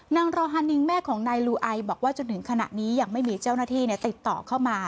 รอฮานิงแม่ของนายลูไอบอกว่าจนถึงขณะนี้ยังไม่มีเจ้าหน้าที่ติดต่อเข้ามา